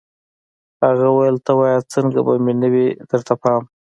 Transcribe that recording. هغه ویل ته وایه څنګه به مې نه وي درته پام